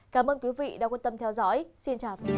cảm ơn quý vị đã quan tâm theo dõi xin chào và hẹn gặp lại